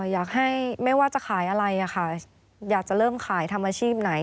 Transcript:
อยากให้ไม่ว่าจะขายอะไรค่ะอยากจะเริ่มขายทำอาชีพไหน